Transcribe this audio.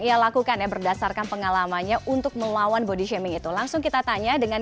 ia lakukan ya berdasarkan pengalamannya untuk melawan body shaming itu langsung kita tanya dengan